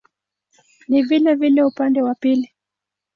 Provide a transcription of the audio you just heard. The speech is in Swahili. Ni vilevile upande wa pili.